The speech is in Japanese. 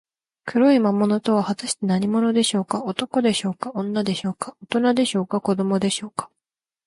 黒い魔物とは、はたして何者でしょうか。男でしょうか、女でしょうか、おとなでしょうか、子どもでしょうか。